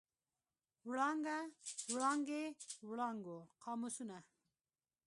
وړانګه، وړانګې، وړانګو، قاموسونه.